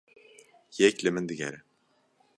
Yek li min digere.